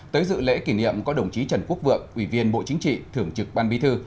tới dự lễ kỷ niệm có đồng chí trần quốc vượng ủy viên bộ chính trị thưởng trực ban bí thư